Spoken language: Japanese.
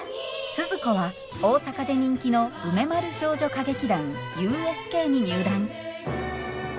スズ子は大阪で人気の梅丸少女歌劇団ＵＳＫに入団。